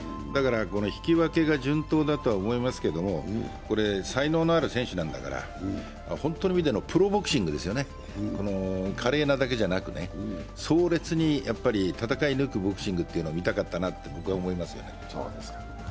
引き分けが順当だとは思いますけど、才能のある選手なんだから、本当の意味でもプロボクシングですよね、華麗なだけじゃなく、壮烈に戦い抜くボクシングを見たかったなと思いますね。